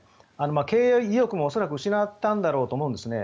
経営の意欲も恐らく失ったと思うんですね。